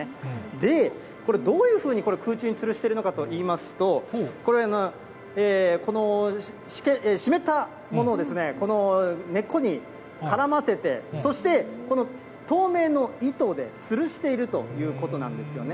で、これ、どういうふうにこれ、空中につるしてるのかといいますと、これ、この湿ったものをですね、この根っこに絡ませて、そして、この透明の糸でつるしているということなんですよね。